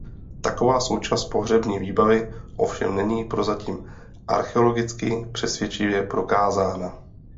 Taková součást pohřební výbavy ovšem není prozatím archeologicky přesvědčivě prokázána.